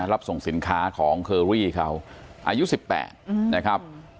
รับส่งสินค้าของเคอรี่เขาอายุ๑๘นะครับ